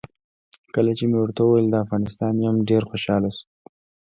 کله چې مې ورته وویل د افغانستان یم ډېر خوشاله شو.